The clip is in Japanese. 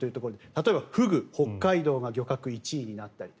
例えば、フグ北海道が漁獲１位になったりと。